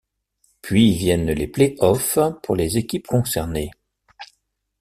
Puis viennent les play-offs pour les équipes concernées.